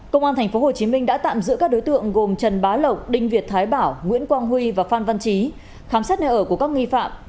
công an tp hcm đã tạm giữ các đối tượng gồm trần bá lộc đinh việt thái bảo nguyễn quang huy và phan văn trí khám xét nơi ở của các nghi phạm